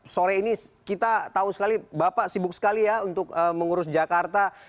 sore ini kita tahu sekali bapak sibuk sekali ya untuk mengurus jakarta